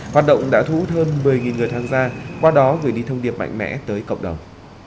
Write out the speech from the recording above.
hoạt động đã thú hơn một mươi người thang gia qua đó gửi đi thông điệp mạnh mẽ tới cộng đồng